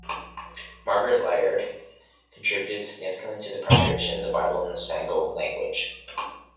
Margaret Laird contributed significantly to the preparation of the Bible in the Sango language.